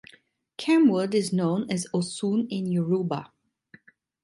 Camwood is known as "osun" in Yoruba.